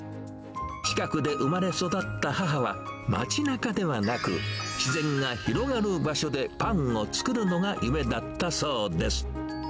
近くで生まれ育った母は、街なかではなく、自然が広がる場所でパンを作るのが夢だったそうです。